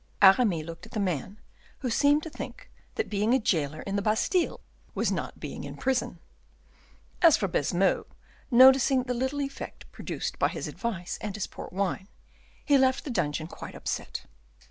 Aramis looked at the man, who seemed to think that being a jailer in the Bastile was not being in prison. As for Baisemeaux, noticing the little effect produced by his advice and his port wine, he left the dungeon quite upset.